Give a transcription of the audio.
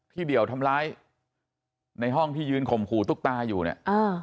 เดี่ยวทำร้ายในห้องที่ยืนข่มขู่ตุ๊กตาอยู่เนี่ยอ่า